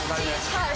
はい。